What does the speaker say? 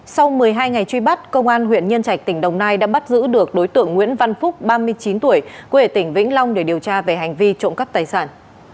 sau một mươi hai ngày truy bắt công an huyện nhân trạch tỉnh đồng nai đã bắt giữ được đối tượng nguyễn văn phúc ba mươi chín tuổi quê ở tỉnh vĩnh long để điều tra về hành vi trộm cắp tài sản